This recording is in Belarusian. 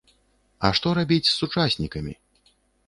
А што рабіць з сучаснікамі?